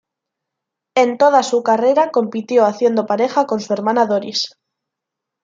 En toda su carrera compitió haciendo pareja con su hermana Doris.